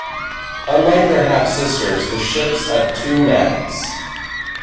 Unlike their half-sisters, the ships had two macks.